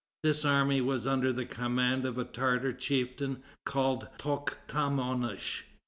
This army was under the command of a Tartar chieftain called Toktamonish.